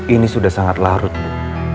ini sudah sangat larut bu